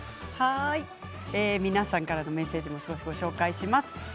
皆さんからのメッセージをご紹介します。